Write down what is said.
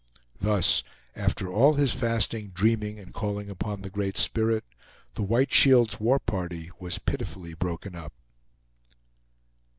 Thus after all his fasting, dreaming, and calling upon the Great Spirit, the White Shield's war party was pitifully broken up.